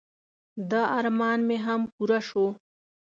د ارمان مې هم پوره شو.